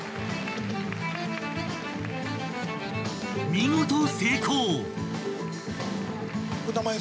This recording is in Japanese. ［見事成功！］